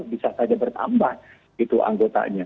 bisa saja bertambah gitu anggotanya